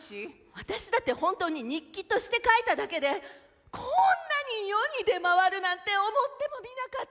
私だって本当に日記として書いただけでこんなに世に出回るなんて思ってもみなかった。